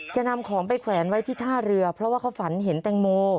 จะนำของไปแขวนไว้ที่ท่าเรือเพราะว่าเขาฝันเห็นแตงโม